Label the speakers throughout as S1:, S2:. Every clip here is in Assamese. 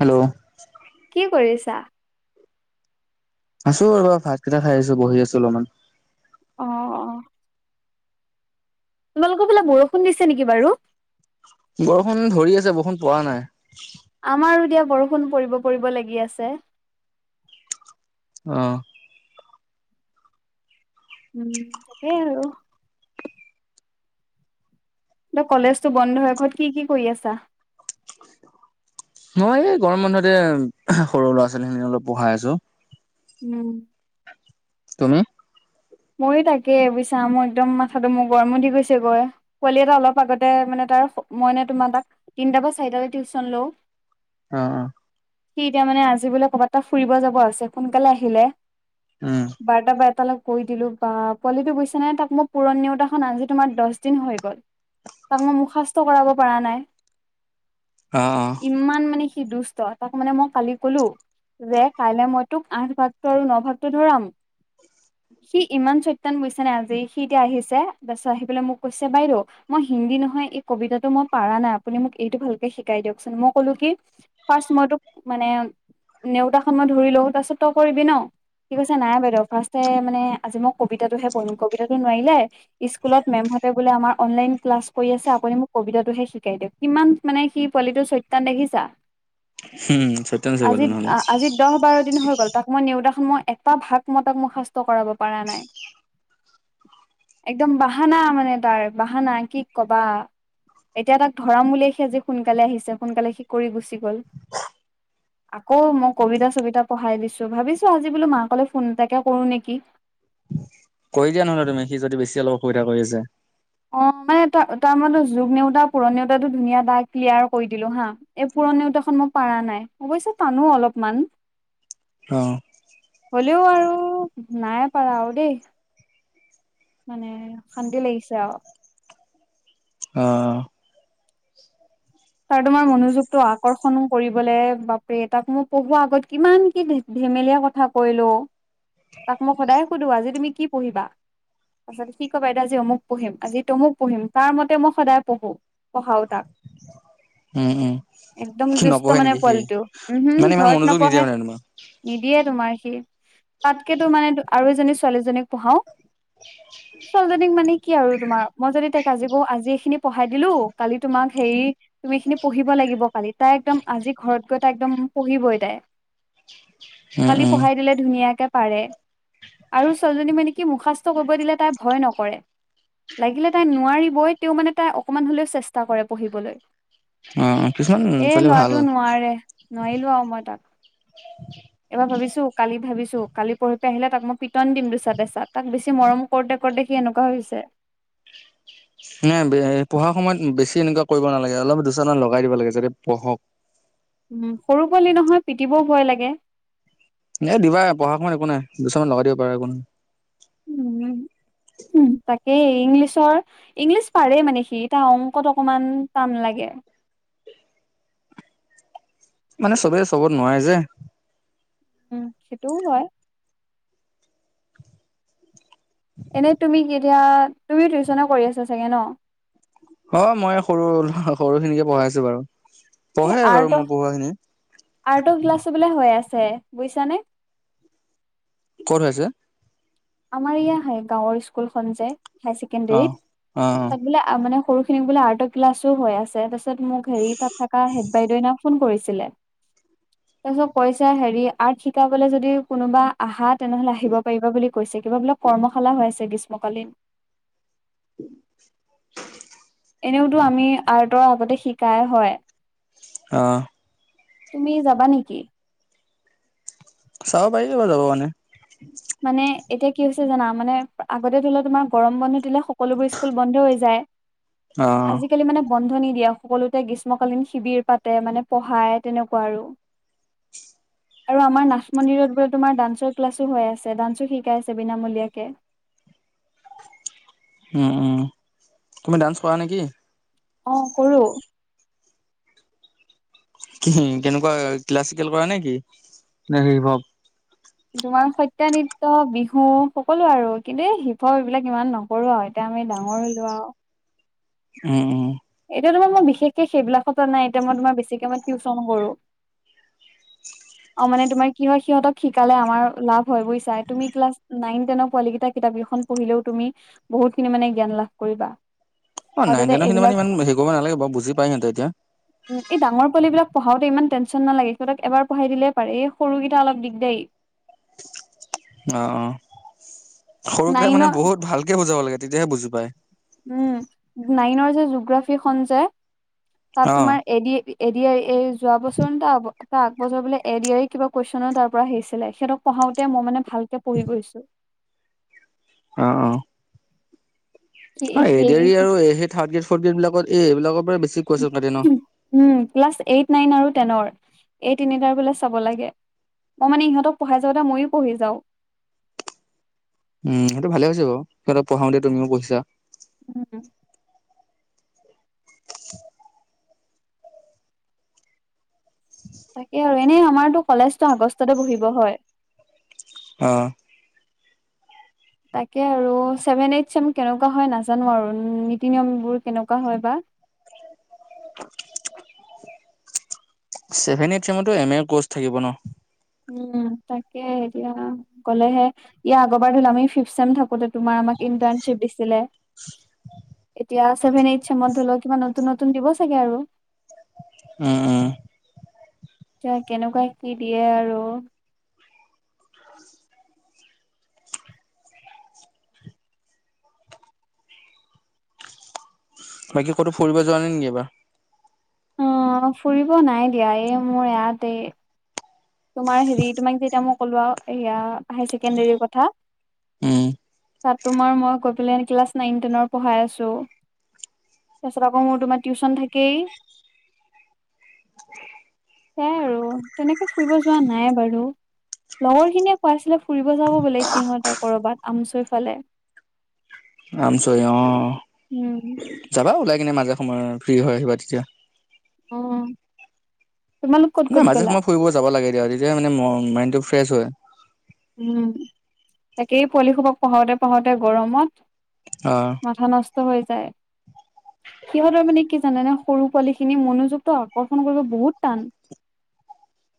S1: হেল্ল'
S2: কি কৰিছা?
S1: আছোঁ ৰবা ভাতকেইটা খাই আছো, বহি আছো অলপমান।
S2: অ' অ'। তোমালোকৰ ফালে বৰষুণ দিছে নেকি বাৰু?
S1: বৰষুণ ধৰি আছে, বৰষুণ পৰা নাই।
S2: আমাৰো এতিয়া বৰষুণ পৰিব পৰিব লাগি আছে।
S1: অ'।
S2: উম তাকে আৰু। ত কলেজো বন্ধ এ, ঘৰত কি কি কৰি আছা?
S1: মই এই গৰম বনতে সৰু ল'ৰা ছোৱালী খিনি অলপ পঢ়াই আছো।
S2: উম।
S1: তুমি?
S2: ময়ো তাকে বুজছা মোৰ একদম মাথাটো মোৰ গৰম ওঠি গৈছে গৈ। পোৱালি এটা অলপ আগতে মানে, তাৰ মই তোমাৰ তিউচম লও।
S1: অ' অ'।
S2: সি এতিয়া মানে আজি বোলে ক'ৰবাত এটা ফুৰিব যাব আছে, সোনকালে আহিলে,
S1: উম
S2: বাৰটা পৰা এটালৈ কৈ দিলোঁ বা পোৱালিটো বুজিছানে নাই তাক মই পূৰণ নেওতাখন আজি তোমাৰ দহ দিন হৈ গ'ল তাক মই মুখাস্ত কৰাব পৰা নাই।
S1: অ', অ'
S2: ইমান মানে সি দুষ্ট তাক মানে মই কালি কলো যে কাইলৈ মই তোক আঠ ভাগটো আৰু ন ভাগটো ধৰাম সি ইমান চৈতান বুজিছা নে আজি সি এতিয়া আহিছে তাৰপিছত আহি পেলাই মোক কৈছে বাইদেউ মই হিন্দী নহয় এই কবিতাটো মই পাৰা নাই আপুনি মোক এইটো ভালকে শিকাই দিয়কচোন। মই কলো কি ফাৰ্ষ্ট মই তোক মানে নেওতাখন মই ধৰি লওঁ তাৰপিছত তই কৰিবি ন ঠিক আছে নাই বাইদেউ ফাৰ্ষ্টয়ে মানে আজি মই কবিতাটোহে পঢ়িম কবিতাটো নোৱাৰিলে স্কুলত মেমহতে বোলে আমাৰ অনলাইন ক্লাছ কৰি আছে আপুনি মোক কবিতাটোহে শিকাই দিয়ক কিমান মানে সি পোৱালিটো চৈতান দেখিছা।
S1: [inaudible] গলো
S2: আজি
S1: নহলে
S2: আজি দহ বাৰ দিন হৈ গ'ল তাক মই নেওতাখন মই এটা ভাগ মই তাক মুখস্ত কৰাব পৰা নাই। একদম বাহানা মানে তাৰ বাহানা কি কবা এতিয়া তাক ধৰাম বুলি সি আজি সোনকালে আহিছে সোনকালে সি কৰি গুচি গল। আকৌ মই কবিতা চবিতা পঢ়াই দিছো ভাবিছো আজি বোলো মাকলে ফোন এটাকে কৰো নেকি।
S1: কৰি দিয়া নহলে তুমি সি যদি বেছি অসুবিধা কৰি আছে
S2: অ', মানে তাৰ মই যুগ নেওতা পুৰণ নেউতাটো ধুনীয়াকেই ক্লিয়াৰ কৰি দিলো হা এই পুৰণ নেউতাখন মই পাৰা নাই অৱশ্যয়ে টানো অলপমান।
S1: অ'
S2: হ'লেও আৰু নাই পাৰা আৰু দেই মানে অশান্তি লাগিছে আৰু
S1: অ'
S2: তাৰ তোমাৰ মনোযোগটো আকৰ্ষণ কৰিবলে বাপৰে তাক মই পঢ়োৱা আগত কিমান কি ধেমেলিয়া কথা কৈ লও তাক মই সদায় সুধো আজি তুমি কি পঢ়িবা? তাৰপিছত সি কয় বাইদেউ আজি অমুক পঢ়িম আজি তমুক পঢ়িম তাৰ মতে মই সদায় পঢ়ো। পঢ়াও তাক।
S1: উম উম
S2: একদম
S1: সি
S2: দুষ্ট
S1: নপঢ়ে
S2: মানে
S1: নেকি সি
S2: পোৱালিটো উম হম
S1: মানে ইমান
S2: ঘৰত
S1: মনোযোগ নিদিয়ে
S2: নপঢ়ে
S1: মানে তোমাক
S2: নিদিয়ে তোমাৰ সি তাতকেতো মানে আৰু এজনী ছোৱালীজনীক পঢ়াও [inaudible] ছোৱালীজনীক মানে কি আৰু তোমাৰ মই যদি তাইক আজি আজি এইখিনি পঢ়াই দিলো কালি তোমাক হেৰি তুমি খিনি পঢ়িব লাগিব কালি তাই একদম আজি ঘৰত গৈ তাই একদম পঢ়িবই তাই
S1: উম
S2: খালি
S1: উম
S2: পঢ়াই দিলে ধুনীয়াকে পাৰে আৰু ছোৱালজনী মানে কি মুখাস্ত কৰিব দিলে তাই ভয় নকৰে লাগিলে তাই নোৱাৰিবই তেওঁ মানে তাই অকমান হ'লেও চেষ্টা কৰে পঢ়িবলৈ
S1: অ', অ' কিছুমান
S2: এ
S1: ছোৱালী ভাল
S2: লৰাটো নোৱাৰে নোৱাৰিলো আৰু মই তাক। এবাৰ ভাবিছো কালি ভাবিছো কালি পৰহি আহিলে তাক মই পিটন দিম দুচাত এছাত তাক বেছি মৰম কৰোঁতে কৰোঁতে সি এনেকুৱা হৈছে
S1: নাই পঢ়াৰ সময়ত বেছি এনেকুৱা কৰিব নালাগে অলপ দুচাতমান লগাই দিব লাগে যাতে পঢ়ক।
S2: সৰু পোৱালি নহয় পিটিবও ভয় লাগে
S1: এ দিবা পঢ়া সময়ত একো নাই দুচাতমান লগাই দিব পাৰা একো নাই।
S2: উম তাকেই ইংলিছৰ ইংলিছ পাৰে মানে সি এ তাৰ অংকত অকমান টান লাগে
S1: মানে চবে চবত নোৱাৰে যে
S2: উম সেইটোও হয়। এনেই তুমি কি এতিয়া তুমিও টিউশ্যনে কৰি আছা চাগে ন
S1: অ', মই সৰু সৰুখিনিকে পঢ়াইছো বাৰু,
S2: এই
S1: পঢ়ে বাৰু
S2: আৰ্টৰ
S1: মই পঢ়োৱা খিনি
S2: আৰ্টৰ ক্লাছো বোলে হৈ আছে বুইছানে
S1: ক'ত হৈ আছে?
S2: আমাৰ ইয়া হয় গাঁৱৰ ইছস্কুল খন যে, হায়
S1: অ
S2: ছেকেণ্ডৰীত
S1: অ
S2: তাত বোলে মানে সৰু [unintelligible] বোলে আৰ্টৰ ক্লাছো হৈ আছে তাৰপিছত মোক হেৰি তাত থকা হেড বাইদউনা ফোন কৰিছিলে তাৰ পিছত হেৰি আৰ্ট শিকাবলৈ যদি কোনোবা আহা তেনেহলে আহিব পাৰিবা বুলি কৈছে কিবাবোলে কৰ্মশালা হৈ আছে গ্ৰীষ্মকালীন এনেওতো আমি আৰ্টৰ আগতে শিকাএ হয়
S1: অ',
S2: তুমি যাবা নেকি?
S1: চাব পাৰিলেব যাব মানে
S2: মানে, এতিয়া কি হৈছে জানা, মানে আগতে তোমাৰ গৰম বন্ধ দিলে সকলোবোৰ ইস্কুল বন্ধ হৈ যায়
S1: অ',
S2: আজিকালি মানে বন্ধ নিদিয়ে, সকলোতে গ্ৰীষ্মকালীন শিবিৰ পাতে মানে পঢ়াই তেনেকুৱা আৰু আৰু আমাৰ নাথ মন্দিৰত বোলে, তোমাৰ ডান্সৰ ক্লাছো হৈ আছে ডান্সো শিকাই আছে বিনামূলীয়াকে
S1: উম, ও তুমি ডান্স কৰা নেকি?
S2: অ', কৰো
S1: [unintelligible] কেনেকুৱা ক্লাছিকেল কৰা নে কি, নে ৰিভৱ
S2: তোমাৰ সত্ৰীয়া নৃত্য, বিহু, সকলো আৰু কিন্তু এই শিৱ এইবিলাক ইমান ন [unintelligible] এতিয়া আমি ডাঙৰ হ ললোৱা
S1: অ', অ',
S2: এতিয়া তোমাৰ মই বিশেষকে সেইবিলাকত নাই, এতিয়া মই তোমাৰ বেছিকে মই টিউচন কৰো অ', মানে তোমাৰ কি হয়, সিহঁতক শিকালে আমাৰ লাভ হয় বুজি চাই তুমি ক্লাছ নাইন, টেনৰ, পোৱালী কেইটা কিতাপ কেইখন পঢ়িলেও তুমি, বহুতখিনি মানে জ্ঞান লাভ কৰিবা
S1: অ',
S2: আৰু
S1: নাইন
S2: তাতে
S1: তেনৰ খিনি
S2: এইবিলাক
S1: মানে ইমান, হে কৰিব নালে বাৰু বুজি পাই এতিয়া
S2: উম, এই ডাঙৰ পোৱালিবিলাক পঢ়াওঁতে ইমান টেনশ্যন নালাগে, সিহঁতক এবাৰ পঢ়াই দিলেই পাৰে এই সৰুকেইটা অলপ দিগদাৰি
S1: অ', অ', সৰুকেইট মানে
S2: নাইনৰ
S1: বহুত ভালকে বুজাব লাগে তেতিয়াহে বুজি পায়
S2: উম, নাইনৰ যে জগ্ৰাফি খন যে,
S1: অ
S2: তাত তোমাৰ এড এডি এই যোৱা বছৰ নটা আগবছৰ বোলে এড আ কিবা কুৱেশ্বন তাৰ পৰা আহিছিলে সিহঁক পঢ়াওতে মই মানে, ভালকে পঢ়ি গৈছো
S1: অ', অ',
S2: সি
S1: হয়, [unintelligible]
S2: সেইকেইখন
S1: আৰু সেই থাৰ্ড গ্ৰেড, ফৰ্থ গ্ৰেড, বিলাকত এইবাকৰ পৰাই বেছি কোৱাছ কে ন?
S2: উম, ক্লাছ এইট, নাইন, আৰু টেনৰ, এই তিনিটাৰ বোলে চাব লাগে মই, মানে ইহঁত পঢ়াই যাওতে মই পঢ়ি যাও
S1: উম, সেইটো ভালে হৈছে বাৰু সিহঁতক পঢাওঁতে, তুমিও পঢিছা
S2: উম,
S1: উ
S2: তাকে, আৰু এনেই আমাৰতো কলেজটো আগষ্টতে বহিব হয়
S1: অ',
S2: তাকে, আৰু চছেভেন এইট চেম কেনেকুৱা হয় নাজানো আৰু নীতি নিয়মবোৰ কেনেকুৱা হয় বা
S1: ছেভেন এইট, এম এৰ ক'ৰ্চ থাকিব ন
S2: উম, তাকে এতিয়া গ'লেহে ইয়াৰ আগৰ বাৰ আমি ফিফ চছেম থাকোতে, তোমাৰ আমাক ইণ্টাৰ্শ্বিপ দিছিলে এতিয়া ছেভেন এইট, চেমত হলেও কিবা নতুন নতুন দিব চাগে আৰু
S1: উম, উম,
S2: এতিয়া কেনেকুৱা কি দিয়ে আৰু,
S1: বাকী ক'তো ফুৰিব যোৱা নাই নেকি এবাৰ?
S2: অ, ফুৰিব নাই দিয়া এই মোৰ ইয়তে এই তোমাৰ হেৰি তোমাক যেতিয়া মই কলোয়া হাই ছেকেণ্ডৰীৰ কথা,
S1: উম,
S2: তাত তোমাৰ মই গৈ পেলাই ক্লাছ নাইন টেনৰ পঢ়াই আছোঁ। তাৰপিছত আকৌ মোৰ তোমাৰ টিউচন থাকেই। সেইয়াই আৰু, তেনেকে ফুৰিব যোৱা নাই বাৰু। লগৰ খিনিয়ে কাইছিলে ফুৰিব যাব বোলে সিহঁতৰ কৰৰবাত আমচৈ ফালে।
S1: আমচৰি অ,
S2: উম
S1: যাবা ওলাই কিনে মাজে সময় ফ্ৰী হৈ আহিবা তেতিয়া।
S2: অ,
S1: নাই মাজে সময় ফুৰিব যাব লাগে দিয়া তেতিয়া মানে ম-মাইনডটো ফ্ৰেচ হয়।
S2: উম, তাকেই পোৱালি খোবক পঢ়োতে পঢ়োতে গৰমত,
S1: অ,
S2: মাথা নষ্ট হৈ যায়। সিহঁতৰ মানে কি জানোনে সৰু পোৱালীখিনি মনোযোগটো আকৰ্ষণ কৰিব বহুত টান। [unintelligible]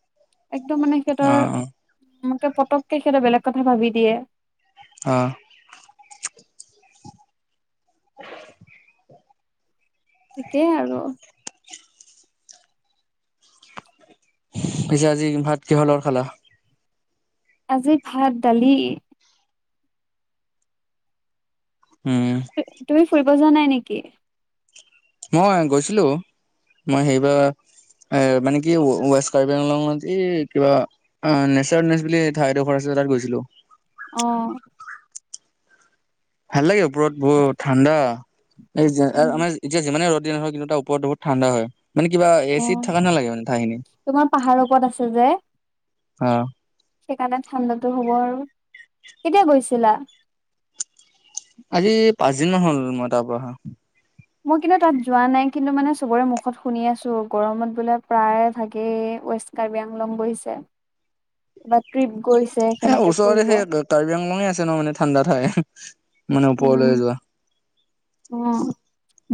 S2: একদম মানে সিহঁতৰ
S1: অ', অ',
S2: [inaudible] পতককে সিহঁতৰ বেলেগ কথা ভাবি দিয়ে।
S1: অ,
S2: ঠিকেই আৰু।
S1: পিছে আজি ভাত কিহৰ লগত খালা?
S2: আজি ভাত দালি।
S1: উম,
S2: তুমি ফুৰিব যোৱা নাই নেকি?
S1: মই গৈছিলোঁ মই সেইবাৰ এ, মানে কি ৱেষ্ট কাৰিবেংলত এই কিবা অ, নেচাৰ নেচ বুলি ঠাই এডোখৰ আছিলে তাত গৈছিলোঁ।
S2: অ,
S1: ভাল লাগে ওপৰত বহুত ঠাণ্ডা এ আমাৰ এতিয়া যিমানেই ৰদ দিন নহল কিন্তু এটা ওপৰত বহুত ঠাণ্ডা হয় মানে কিবা এ
S2: অ
S1: চিত থকা নালাগে মানে ঠাইখিনি।
S2: তোমাৰ পাহাৰৰ ওপৰত আছে যে
S1: অ,
S2: সেইকাৰণে ঠাণ্ডাটো হ'ব আৰু, কেতিয়া গৈছিলা?
S1: আজি পাঁচদিনমান হ'ল মই তাৰ পৰা অহা।
S2: মই কিন্তু তাত যোৱা নাই কিন্তু মানে চবৰে মুখত শুনি আছোঁ গৰমত বোলে প্ৰায় ভাগে ৱেষ্ট কাৰ্বি আংলং গৈছে কিবা ট্ৰিপ গৈছে,
S1: সেই
S2: সেনেকে
S1: ওচৰতে
S2: ফুৰিব
S1: সেই কাৰ্বি আংলঙে আছে ন মানে ঠাণ্ডা ঠাই। মানে ওপৰলৈ
S2: উম,
S1: যোৱা
S2: অ।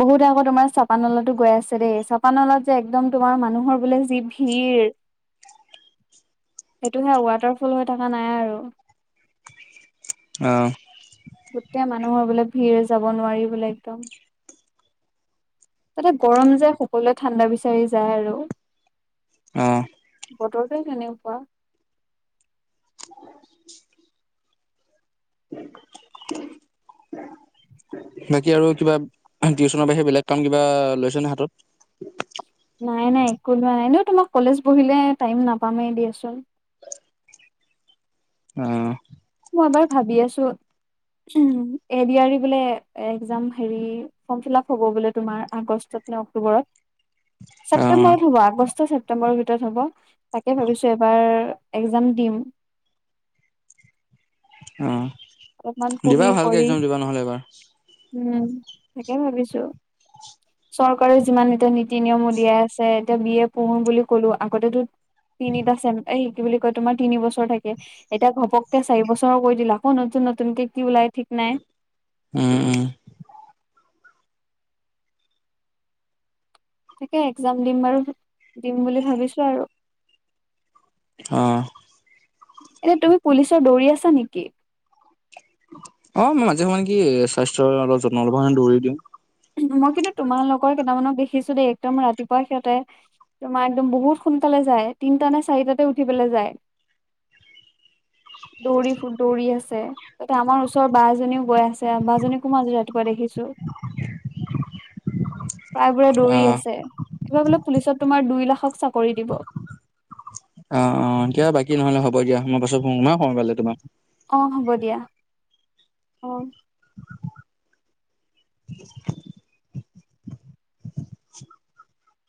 S2: বহুতে আকৌ তোমাৰ চাপা নলাতো গৈ আছে দেই চাপা নলাত যে একদম তোমাৰ মানুহৰ বোলে যি ভিৰ। সেইটো হে ৱাটাৰফল হৈ থকা নাই আৰু।
S1: অ,
S2: গোটেই মানুহৰ বোলে ভিৰ যাব নোৱাৰি বোলে একদম। তাতে গৰম যে সকলোৱে ঠাণ্ডা বিচাৰি যায় আৰু।
S1: অ,
S2: বতৰটোৱেই কেনেকুৱা।
S1: [inaudible]
S2: [unintelligible]
S1: বাকী আৰু কিবা টিউচনৰ বাহিৰে বেলেগ কাম কিবা লৈছনে হাতত?
S2: নাই নাই একো লোৱা নাই এনেও তোমাৰ কলেজ বহিলে টাইম নাপামেই দিয়াচোন।
S1: অ,
S2: মই এবাৰ ভাবি আছোঁ এ ডি আৰ ই বোলে এক্জাম হেৰি ফৰ্ম ফিল আপ হ'ব বোলে তোমাৰ আগষ্টত নে অক্টোবৰত।
S1: অ
S2: ছেপ্তেম্বৰত হ'ব আগষ্ট ছেপ্তেম্বৰৰ ভিতৰত হ'ব তাকে ভাবিছো এবাৰ একজাম দিম
S1: অঁ
S2: অলপমান পঢ়ি
S1: দিবা ভালকৈ
S2: কৰি
S1: একজাম দিবা নহ'লে এবাৰ
S2: উম তাকে ভাবিছো চৰকাৰে যিমান এতিয়া নীতি নিয়ম উলিয়াই আছে এতিয়া বি এ পঢ়ো বুলি কলো আগতেতো তিনিটা চেম এই কি বুলি কয় তোমাৰ তিনি বছৰ থাকে এতিয়া ঘপক ত চাৰি বছৰ কৰি দিলে আকৌ নতুন নতুনকে কি ওলাই ঠিক নাই
S1: উম উম
S2: তাকে একজাম দিম বাৰু দিম বুলি ভাবিছো আৰু
S1: অ
S2: এ তুমি পুলিচৰ দৌৰি আছা নেকি
S1: অ মই মাজে সময়ে কি স্বাস্থ্যৰ অলপ যত্ন লবকাৰনে দৌৰি দিওঁ
S2: মই কিন্তু তোমাৰ লগৰ কেইটামানক দেখিছো দেই একদম ৰাতিপুৱাই সিহঁতে তোমাৰ একদম বহুত সোনকালে যায় তিনিটা নে চাৰিটাতে উঠি পেলাই যায় দৌৰি ফু দৌৰি আছে ত আমাৰ ওচৰৰ বাএজনীও গৈ আছে বা জনীকো মই আজি ৰাতিপুৱা দেখিছো প্ৰায়বোৰে
S1: অ
S2: দৌৰি আছে এইবাৰ বোলে পুলিচত তোমাৰ দুই লাখক চাকৰি দিব
S1: অ অ কবা বাকী নহলে হ'ব দিয়া মই পাছত ফোন কৰিম হা সময় পালে তোমাক
S2: অ হ'ব দিয়া অ